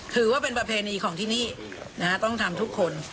ถือว่าเป็นประเพณีของที่นี่ต้องทำทุกคน